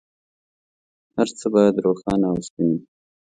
هر څه باید روښانه او سپین وي.